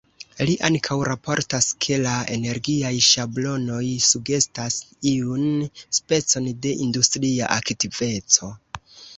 Li ankaŭ raportas, ke la energiaj ŝablonoj sugestas iun specon de industria aktiveco.